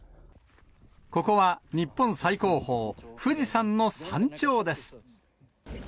ここは日本最高峰、富士山の山頂です。